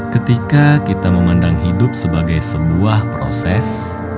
ketika kita memandang hidup sebagai sebuah proses